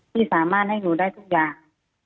ที่สามารถให้หนูได้ทุกอย่าง